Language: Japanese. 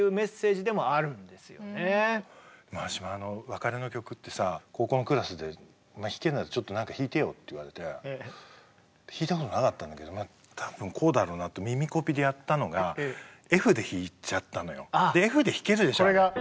「別れの曲」ってさあ高校のクラスで「お前弾けるならちょっとなんか弾いてよ」って言われて弾いたことなかったんだけど多分こうだろうなって耳コピでやったのがＦで弾けるでしょあれ。